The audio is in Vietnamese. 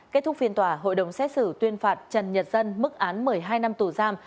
kết thúc phiên tòa hội đồng xét xử tuyên phạt trần nhật dân mức án một mươi hai năm tù giam